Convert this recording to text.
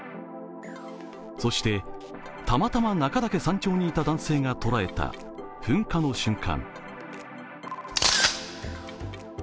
そして、たまたま中岳山頂にいた男性が捉えた噴火の瞬間。